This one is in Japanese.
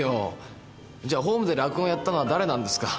じゃあホームで落語をやったのはだれなんですか？